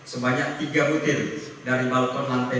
sebanyak tiga butir dari balkonan t dua